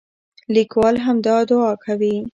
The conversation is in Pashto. لیکوال همدا دعا کوي.